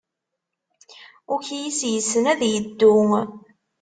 Ukyis yessen ad yeddu.